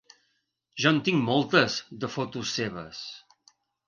Jo en tinc moltes, de fotos seves.